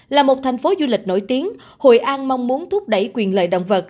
là một thành phố du lịch nổi tiếng hội an mong muốn thúc đẩy quyền lợi động vật